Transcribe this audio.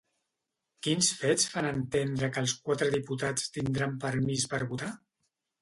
Quins fets fan entendre que els quatre diputats tindran permís per votar?